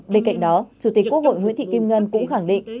bên cạnh đó chủ tịch quốc hội nguyễn thị kim ngân cũng khẳng định